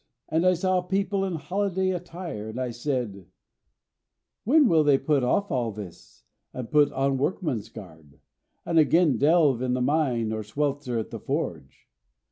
And I saw people in holiday attire, and I said, 'When will they put off all this, and put on workman's garb, and again delve in the mine or swelter at the forge?'